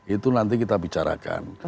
itu nanti kita bicarakan